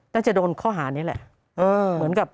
จะโดนข้อหานี้แหละเหมือนกับ